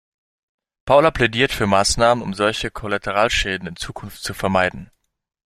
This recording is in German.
Paula plädiert für Maßnahmen, um solche Kollateralschäden in Zukunft zu vermeiden.